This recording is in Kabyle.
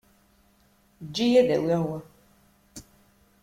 Eǧǧ-iyi ad awiɣ wa.